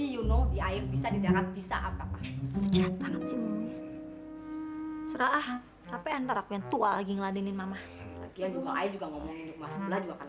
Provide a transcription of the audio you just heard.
ya kalau terpaksa apa boleh buat